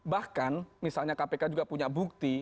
bahkan misalnya kpk juga punya bukti